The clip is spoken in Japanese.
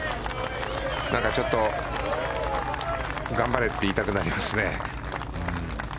なんかちょっと、頑張れって言いたくなりますね。